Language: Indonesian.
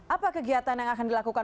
apa kegiatan yang akan dilakukan